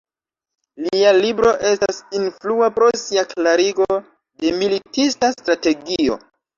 Lia libro estas influa pro sia klarigo de militista strategio.